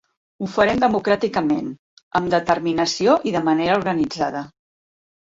Ho farem democràticament, amb determinació i de manera organitzada.